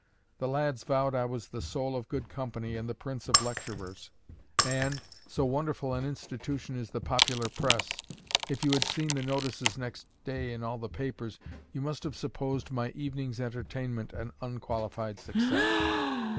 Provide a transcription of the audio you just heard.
The lads vowed I was the soul of good company and the prince of lecturers; and so wonderful an institution is the popular press if you had seen the notices next day in all the papers, you must have supposed my evening's entertainment an unqualified success.